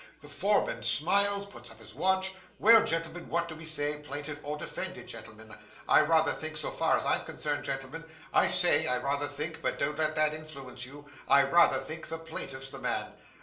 The foreman smiles, and puts up his watch: "Well, gentlemen, what do we say, plaintiff or defendant, gentlemen? I rather think, so far as I am concerned, gentlemen, I say, I rather think but don't let that influence you I rather think the plaintiff's the man."